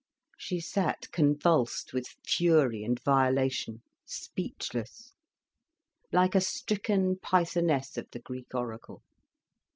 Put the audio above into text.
She sat convulsed with fury and violation, speechless, like a stricken pythoness of the Greek oracle.